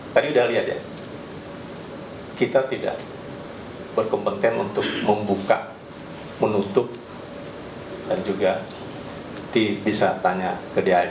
tadi udah lihat ya kita tidak berkompeten untuk membuka menutup dan juga bisa tanya ke dia